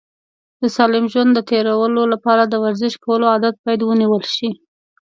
د سالم ژوند د تېرولو لپاره د ورزش کولو عادت باید ونیول شي.